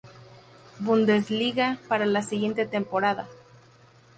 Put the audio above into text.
Bundesliga para la siguiente temporada.